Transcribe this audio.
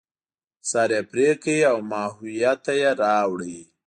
سر یې پرې کړ او ماهویه ته یې راوړ.